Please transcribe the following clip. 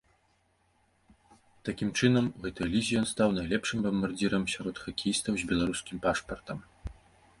Такім чынам у гэтай лізе ён стаў найлепшым бамбардзірам сярод хакеістаў з беларускім пашпартам.